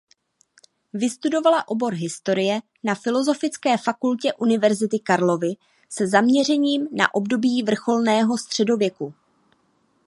Vystudovala obor historie na Filozofické fakultě Univerzity Karlovy se zaměřením na období vrcholného středověku.